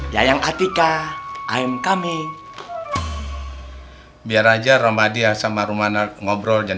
dayang atika i'm coming biar aja ramadhan sama rumah ngobrol dan